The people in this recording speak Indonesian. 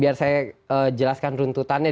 biar saya jelaskan runtutannya